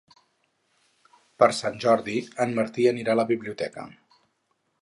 Per Sant Jordi en Martí anirà a la biblioteca.